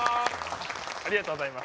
ありがとうございます。